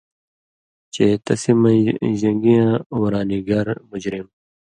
چے تسی مَن٘ژ جَن٘گیاں ورانیگر (مجرم)،